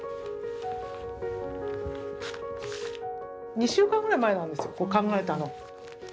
２週間くらい前なんです考えたの。